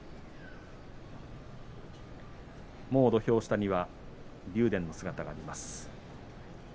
土俵下には竜電の姿があります。